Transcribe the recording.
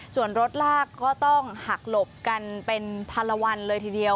ส่วนรถลากก็ต้องหักหลบกันเป็นพันละวันเลยทีเดียว